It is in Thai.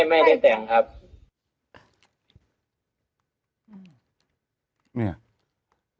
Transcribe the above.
แสงครับ